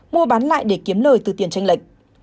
mua bán lại để kiếm lời từ tiền tranh lệch